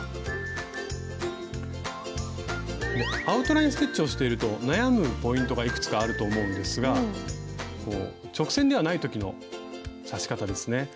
アウトライン・ステッチをしていると悩むポイントがいくつかあると思うんですが直線ではない時の刺し方ですね。